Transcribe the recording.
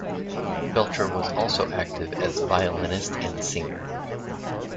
Belcher was also active as violinist and singer.